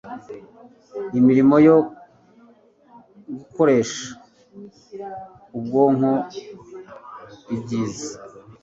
imirimo yo gukoresha ubwonko ibyiza